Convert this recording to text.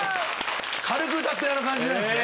軽く歌ってあの感じなんですね。